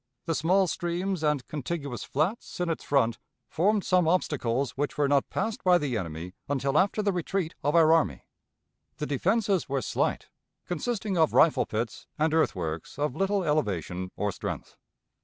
The small streams and contiguous flats in its front formed some obstacles which were not passed by the enemy until after the retreat of our army. The defenses were slight, consisting of rifle pits and earthworks of little elevation or strength.